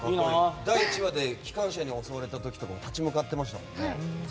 第１話で機関車に襲われた時も立ち向かっていました。